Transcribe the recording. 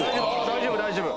大丈夫大丈夫。